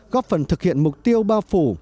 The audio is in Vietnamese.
góp phần thực hiện mục tiêu bao phủ